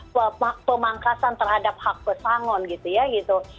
pemangkasan terhadap hak pesangon gitu ya gitu